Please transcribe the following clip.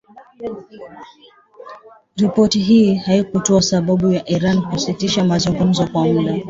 Ripoti hiyo haikutoa sababu ya Iran kusitisha mazungumzo kwa muda